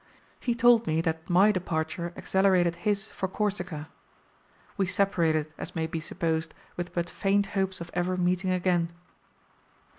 He told me that my departure accelerated his for Corsica. We separated, as may be supposed, with but faint hopes of ever meeting again.